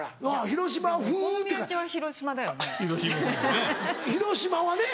広島はね！